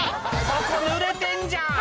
「ここぬれてんじゃん！